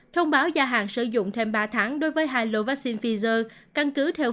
thông báo gia hạn sử dụng thêm ba tháng đối với hai lô vaccine pfizer